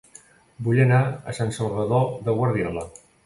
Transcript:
Vull anar a Sant Salvador de Guardiola